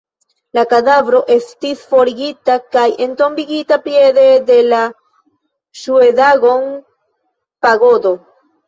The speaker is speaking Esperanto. La kadavro estis forigita kaj entombigita piede de la Ŝŭedagon-pagodo.